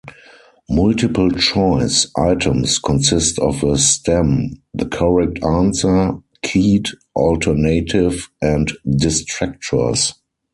Multiple choice items consist of a stem, the correct answer, keyed alternative, and distractors.